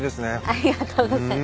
ありがとうございます。